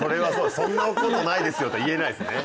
そんなことないですよとは言えないですね